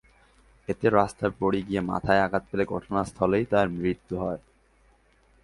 এতে রাস্তায় পড়ে গিয়ে মাথায় আঘাত পেলে ঘটনাস্থলেই তাঁর মৃত্যু হয়।